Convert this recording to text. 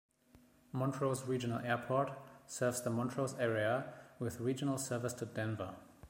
Montrose Regional Airport serves the Montrose area with regional service to Denver.